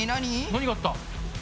何があった？